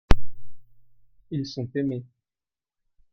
ils sont aimés.